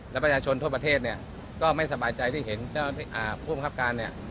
แล้วประชาชนทั่วประเทศเนี่ยก็ไม่สบายใจที่เห็นเจ้าที่อาหารภูมิครับการเนี่ย